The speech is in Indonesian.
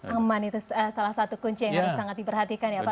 aman itu salah satu kunci yang harus sangat diperhatikan ya pak